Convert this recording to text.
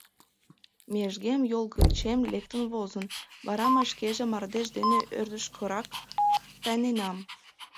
— Межгем йол гычем лектын возын, вара мый шкеже мардеж дене ӧрдыжкырак тайненам.